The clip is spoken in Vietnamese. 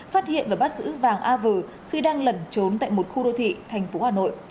phát hiện và bắt giữ vàng a vừ khi đang lẩn trốn tại một khu đô thị thành phố hà nội